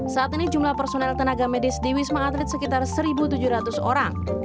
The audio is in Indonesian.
saat ini jumlah personel tenaga medis di wisma atlet sekitar satu tujuh ratus orang